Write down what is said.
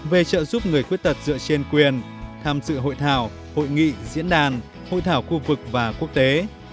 về trợ giúp người khuyết tật dựa trên quyền tham dự hội thảo hội nghị diễn đàn hội thảo khu vực và quốc tế